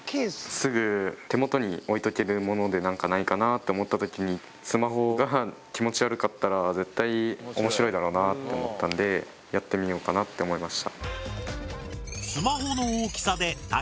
すぐ手元に置いとけるもので何かないかなって思った時にスマホが気持ち悪かったら絶対面白いだろうなって思ったんでやってみようかなって思いました。